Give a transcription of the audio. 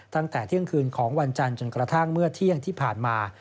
ตั้งแต่เที่ยงคืนของวันจันทร์จนกระทั่งเมื่อเที่ยงที่ผ่านมา